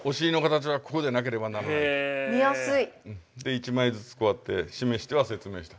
１枚ずつこうやって示しては説明した。